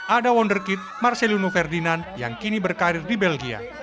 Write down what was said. ada wonderkid marcelino ferdinand yang kini berkarir di belgia